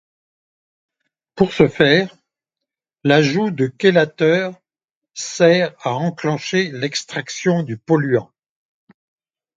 Pour ce faire, l'ajout de chélateurs sert à enclencher l'extraction du polluant.